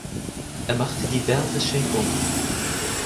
Er machte diverse Schenkungen.